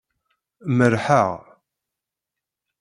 Merrḥeɣ.